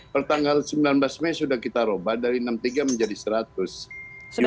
pertanggal sembilan belas mei sudah kita ubah dari enam puluh tiga menjadi seratus